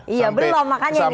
iya belum makanya ini